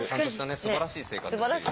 すばらしい生活してる。